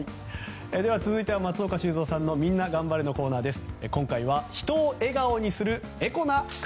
続いては松岡修造さんのみんながん晴れのコーナーです。